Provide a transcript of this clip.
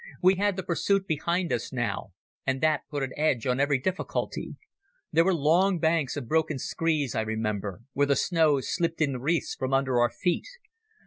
We had the pursuit behind us now, and that put an edge on every difficulty. There were long banks of broken screes, I remember, where the snow slipped in wreaths from under our feet.